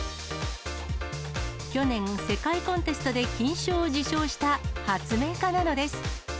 去年、世界コンテストで金賞を受賞した発明家なのです。